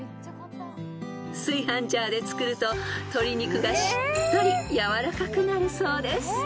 ［炊飯ジャーで作ると鶏肉がしっとり軟らかくなるそうです］